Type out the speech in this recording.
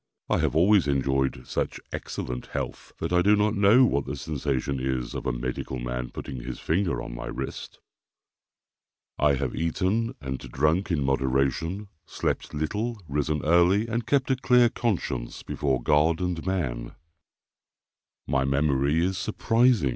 I have always enjoyed such excellent health, that I do not know what the sensation is of a medical man putting his finger on my wrist. I have eaten and drunk in moderation, slept little, risen early, and kept a clear conscience before God and man. My memory is surprising.